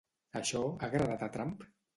Això ha agradat a Trump?